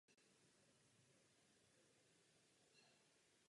Označuje se dvěma číslicemi.